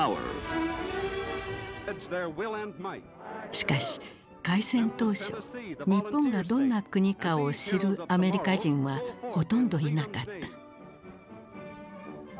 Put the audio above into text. しかし開戦当初日本がどんな国かを知るアメリカ人はほとんどいなかった。